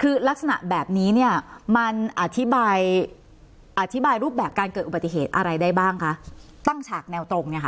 คือลักษณะแบบนี้เนี่ยมันอธิบายอธิบายรูปแบบการเกิดอุบัติเหตุอะไรได้บ้างคะตั้งฉากแนวตรงเนี่ยค่ะ